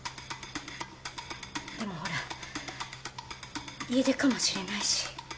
でもほら家出かもしれないし。